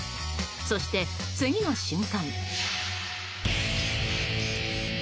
そして、次の瞬間。